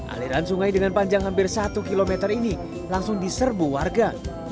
aliran sungai dengan panjang hampir satu km ini langsung diserbu warga